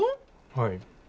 はい。